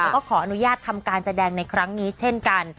แล้วก็ขออนุญาตทำการแสดงในครั้งนี้เช่นกัน